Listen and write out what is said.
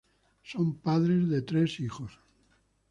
Son padres de tres hijos.